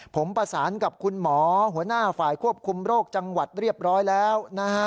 ผมประสานกับคุณหมอหัวหน้าฝ่ายควบคุมโรคจังหวัดเรียบร้อยแล้วนะฮะ